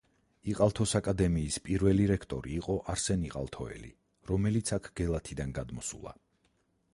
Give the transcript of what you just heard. იყალთოს აკადემიის პირველი რექტორი იყო არსენ იყალთოელი, რომელიც აქ გელათიდან გადმოსულა.